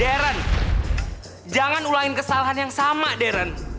darren jangan ulangi kesalahan yang sama darren